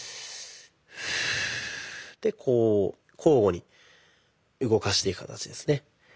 こう交互に動かしていく形ですね。